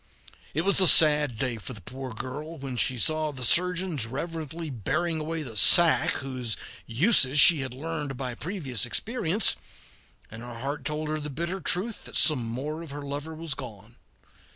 It was a sad day for the poor girl when, she saw the surgeons reverently bearing away the sack whose uses she had learned by previous experience, and her heart told her the bitter truth that some more of her lover was gone.